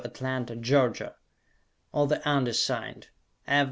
Atlanta, Georgia, or the undersigned.